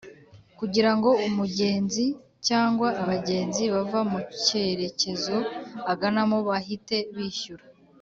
Kugirango umugenzi cyangwa abagenzi bava mu cyerekezo aganamo bahite bishyura